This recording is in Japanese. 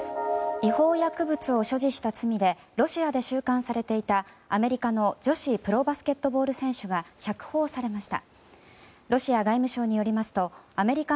違法薬物を所持した罪でロシアで収監されていたアメリカの女子プロバスケットボール選手が釈放されました。